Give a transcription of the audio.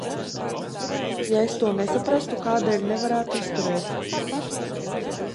Ja es to nesaprastu, kādēļ nevarētu izturēt?